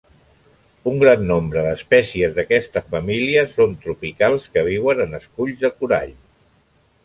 Un gran nombre d'espècies d'aquesta família són tropicals que viuen en esculls de corall.